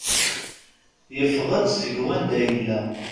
Yeffeɣ-d seg wanda yella.